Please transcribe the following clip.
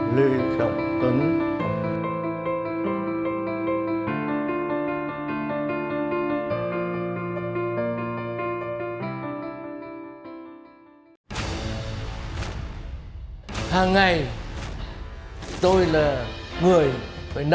lê trọng tuấn